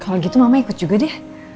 kalau gitu mama ikut juga deh